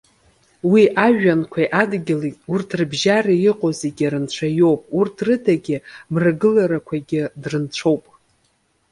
Уи, ажәҩанқәеи адгьыли, урҭ рыбжьареи иҟоу зегьы рынцәа иоуп, урҭ рыдагьы мрагыларақәагьы дрынцәоуп.